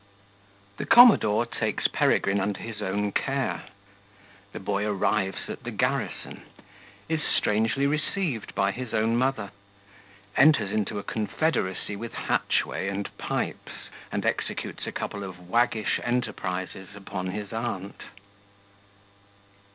The Commodore takes Peregrine under his own care The Boy arrives at the Garrison Is strangely received by his own Mother Enters into a Confederacy with Hatchway and Pipes, and executes a couple of waggish Enterprises upon his Aunt.